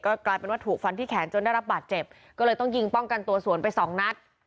กลายเป็นว่าถูกฟันที่แขนจนได้รับบาดเจ็บก็เลยต้องยิงป้องกันตัวสวนไปสองนัด